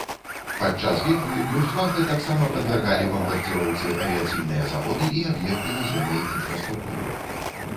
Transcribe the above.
Падчас бітвы люфтвафэ таксама падвяргалі бамбардзіроўцы авіяцыйныя заводы і аб'екты наземнай інфраструктуры.